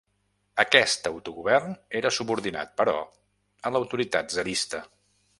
Aquest autogovern era subordinat, però, a l'autoritat tsarista.